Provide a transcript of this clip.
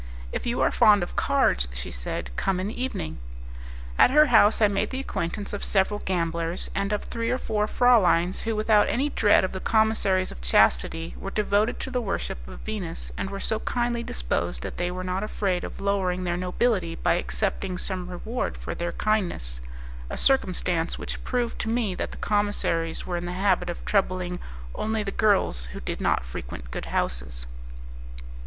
"If you are fond of cards," she said, "come in the evening." At her house I made the acquaintance of several gamblers, and of three or four frauleins who, without any dread of the Commissaries of Chastity, were devoted to the worship of Venus, and were so kindly disposed that they were not afraid of lowering their nobility by accepting some reward for their kindness a circumstance which proved to me that the Commissaries were in the habit of troubling only the girls who did not frequent good houses.